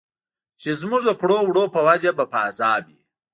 چې زموږ د کړو او وړو په وجه به په عذاب وي.